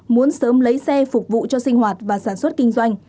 muốn sớm lấy xe phục vụ cho sinh hoạt và sản xuất kinh doanh